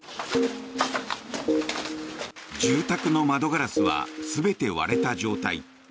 住宅の窓ガラスは全て割れた状態。